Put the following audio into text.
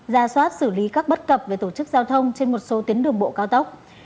ra soát xử lý các bất cập về tổ chức giao thông trên một số tuyến đường bộ cao tốc